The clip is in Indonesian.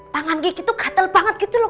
tangan gigi tuh gatel banget gitu loh